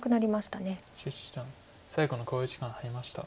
謝七段最後の考慮時間に入りました。